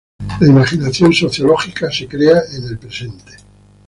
La imaginación sociológica se crea en el presente.